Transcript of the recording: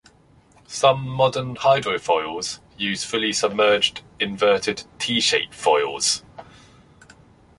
Some modern hydrofoils use fully submerged inverted T-shape foils.